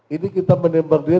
ini kita menembak dia